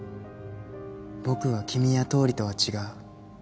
僕は君や倒理とは違う。